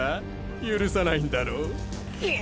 許さないんだろ？